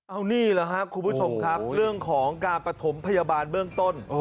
เอานี่แหละครับคุณผู้ชมครับเรื่องของการประถมพยาบาลเบื้องต้น